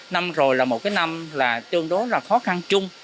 năm rồi là một cái năm là tương đối là khó khăn chung